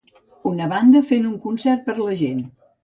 Una banda fent un concert per a la gent.